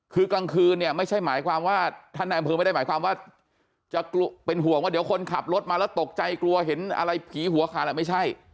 คือกลางคืนเนี่ยไม่ใช่หมายความว่าท่านในอำเภอไม่ได้หมายความว่าจะเป็นห่วงว่าเดี๋ยวคนขับรถมาแล้วตกใจกลัวเห็นอะไรผีหัวขาดแหละไม่ใช่